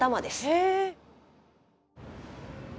へえ。